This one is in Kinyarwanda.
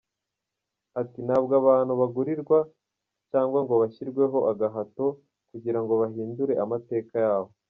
Ati ‘‘Ntabwo abantu bagurirwa cyangwa ngo bashyirweho agahato kugira ngo bahindure amateka yabo.